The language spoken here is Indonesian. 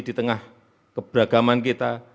di tengah keberagaman kita